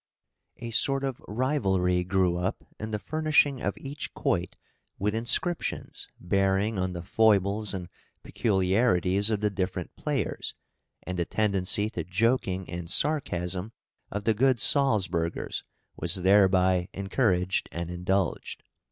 A sort of rivalry grew up in the furnishing of each quoit with inscriptions bearing on the foibles and peculiarities of the different players, and the tendency to joking and sarcasm of the good Salzburgers was thereby encouraged and indulged.